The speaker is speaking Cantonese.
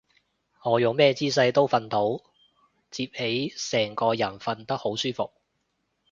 我用咩姿勢都瞓到，摺起成個人瞓得好舒服